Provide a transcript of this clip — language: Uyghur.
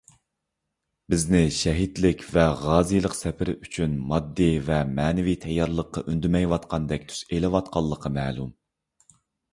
بىزنى شەھىدلىك ۋە غازىيلىق سەپىرى ئۈچۈن ماددىي ۋە مەنىۋى تەييارلىققا ئۈندىمەيۋاتقاندەك تۈس ئېلىۋاتقانلىقى مەلۇم.